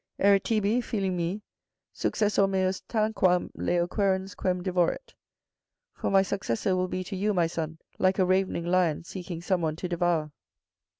Erit tibi, fill mi, successor meus tanquam leo querens quern devoret. (For my successor will be to you, my son, like a ravening lion seeking someone to devour).